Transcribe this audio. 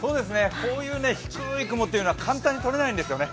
こういう低い雲というのは簡単に取れないんですよね。